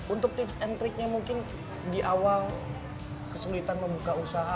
untuk tips and triknya mungkin di awal kesulitan membuka usaha